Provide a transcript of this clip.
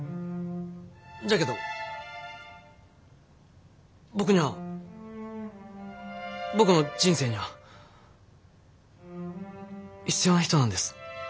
じゃけど僕には僕の人生には必要な人なんです。